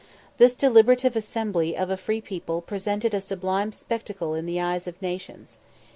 This deliberative assembly of a free people presented a sublime spectacle in the eyes of nations.